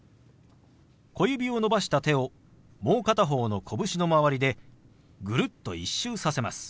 小指を伸ばした手をもう片方の拳の周りでぐるっと１周させます。